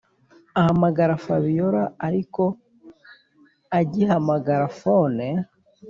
ahamagara fabiora ariko agihamagara phone